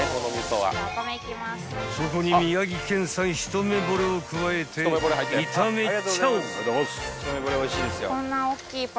［そこに宮城県産ひとめぼれを加えて炒めちゃおう］